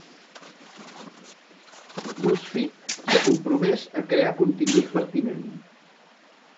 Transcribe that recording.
BuzzFeed s'ha compromès a crear contingut pertinent.